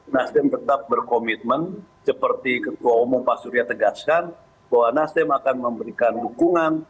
nasdem tetap berkomitmen seperti ketua umum pak surya tegaskan bahwa nasdem akan memberikan dukungan